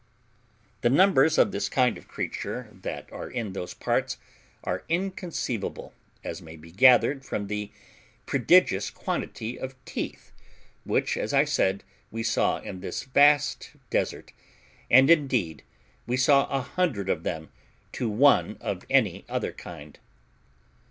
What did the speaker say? The numbers of this kind of creature that are in those parts are inconceivable, as may be gathered from the prodigious quantity of teeth which, as I said, we saw in this vast desert; and indeed we saw a hundred of them to one of any other kind.